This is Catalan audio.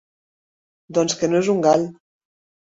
Doncs que no és un gall.